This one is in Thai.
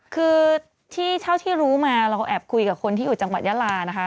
คือที่เท่าที่รู้มาเราแอบคุยกับคนที่อยู่จังหวัดยาลานะคะ